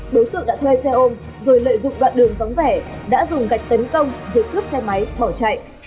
đối tượng đã thuê xe ôm rồi lợi dụng đoạn đường vắng vẻ đã dùng gạch tấn công rồi cướp xe máy bỏ chạy